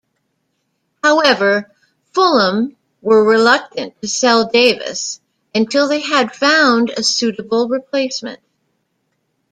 However, Fulham were reluctant to sell Davis until they had found a suitable replacement.